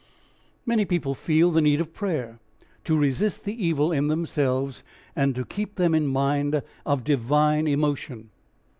Many people feel the need of prayer to resist the evil in themselves and to keep them in mind of divine emotion.